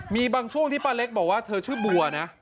มีบางช่วงที่ป้าเล็กบอกว่าเธอชื่อบัวนะ